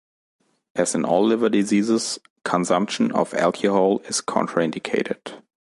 As in all liver diseases, consumption of alcohol is contraindicated.